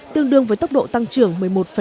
tương đương với tốc độ tăng trưởng một mươi một